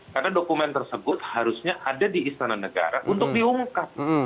karena dokumen tersebut harusnya ada di istana negara untuk diungkap